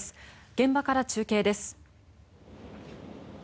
現場から中継です。